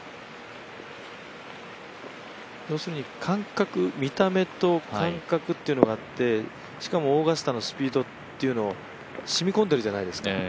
要するに、見た目と感覚があってしかもオーガスタのスピードって染み込んでいるじゃないですか。